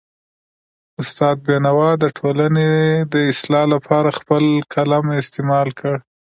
استاد بینوا د ټولنې د اصلاح لپاره خپل قلم استعمال کړ.